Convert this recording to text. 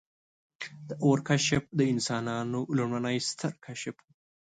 • د اور کشف د انسانانو لومړنی ستر کشف و.